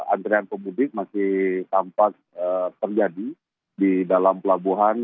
antrian pemudik masih tampak terjadi di dalam pelabuhan